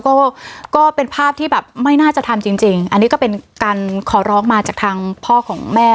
ก็ก็เป็นภาพที่แบบไม่น่าจะทำจริงจริงอันนี้ก็เป็นการขอร้องมาจากทางพ่อของแม่